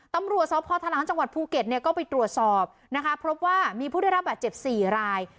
ตำรวจสพทล้างจังหวัดภูเก็ตเนี่ยก็ไปตรวจสอบนะคะพบว่ามีผู้ได้รับบาดเจ็บ๔ราย